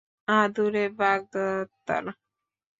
তোর আদুরে বাগদত্তার!